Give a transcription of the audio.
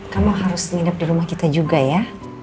kamu harus nginep di rumah kita juga ya